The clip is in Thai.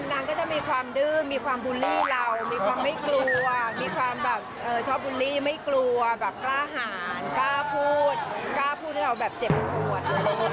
นางก็จะมีความดื้อมีความบูลลี่เรามีความไม่กลัวมีความแบบชอบบูลลี่ไม่กลัวแบบกล้าหารกล้าพูดกล้าพูดให้เราแบบเจ็บปวด